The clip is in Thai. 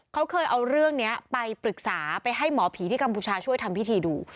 เขาเคยเอาเรื่องนี้ไปปรึกษาไปให้หมอผีที่กัมพูชาช่วยทำพิธีดู